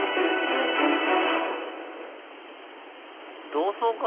同窓会？